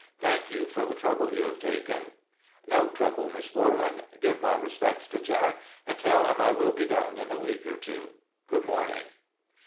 Thank you for the trouble you have taken." "No trouble, Miss Borlan. Give my respects to Jack, and tell him I will be down in a week or two. Good morning."